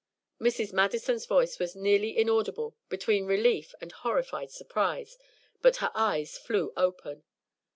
Mrs. Madison's voice was nearly inaudible between relief and horrified surprise, but her eyes flew open.